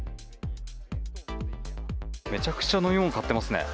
めちゃくちゃ飲み物買ってますね。